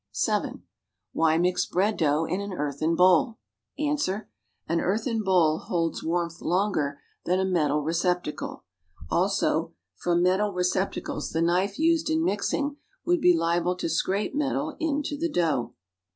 (7) Why mix bread dough in an earthen bowl? Ans. An earthen bowl holds warmth longer than a metal recep tacle. Also from metal receptacles the knife used in mixing would be liable to scrape metal into the dough.